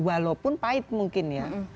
walaupun pahit mungkin ya